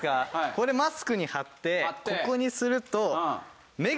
これマスクに貼ってここにすると。